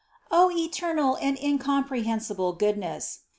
O eternal and incomprehensible Goodness